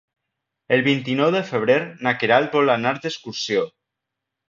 El vint-i-nou de febrer na Queralt vol anar d'excursió.